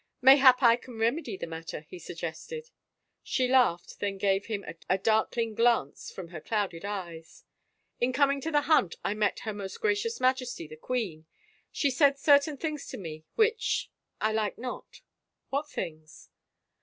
" Mayhap I can remedy the matter? " he suggested. She laughed, then gave him a darkling glance from her clouded eyes. " In coming to the hunt I met her Most Gracious Majesty, the queen. She said certain things to me which — I liked not/' "What things?"